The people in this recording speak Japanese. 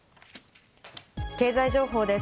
経済情報です。